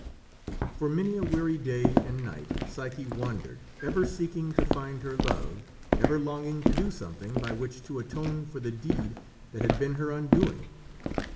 For many a weary day and night Psyche wandered, ever seeking to find her Love, ever longing to do something by which to atone for the deed that had been her undoing.